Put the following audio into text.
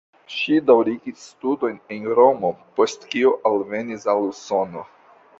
Ŝi daŭrigis studojn en Romo, post kio alvenis al Usono.